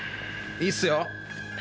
いいっすよ。